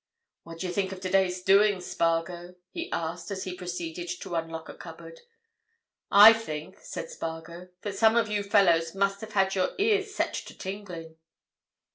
"What d'ye think of today's doings, Spargo?" he asked, as he proceeded to unlock a cupboard. "I think," said Spargo, "that some of you fellows must have had your ears set to tingling."